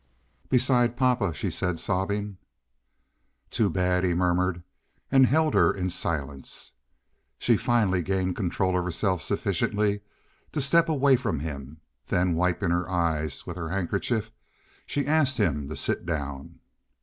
"Beside papa," she said, sobbing. "Too bad," he murmured, and held her in silence. She finally gained control of herself sufficiently to step away from him; then wiping her eyes with her handkerchief, she asked him to sit down.